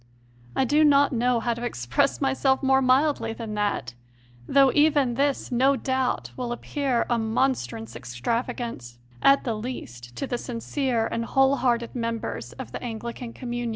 I do not know how to express myself more mildly than that; though even this, no doubt, will appear a mon strous extravagance, at the least, to the sincere and whole hearted members of the Anglican communion.